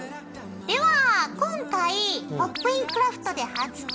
では今回「ポップイン！クラフト」で初登場の金具を使います。